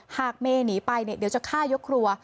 เมย์หนีไปเดี๋ยวจะฆ่ายกครัว